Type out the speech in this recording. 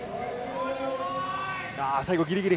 最後、ギリギリ。